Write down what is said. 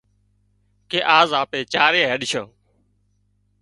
ڪي آز آپ چارئي هينڏشان